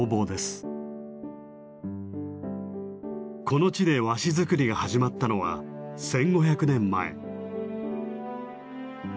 この地で和紙づくりが始まったのは１，５００年前。